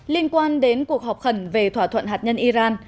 liên quan đến cuộc họp khẩn về thỏa thuận hạt nhân iran